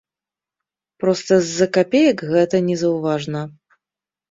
Проста з-за капеек гэта незаўважна.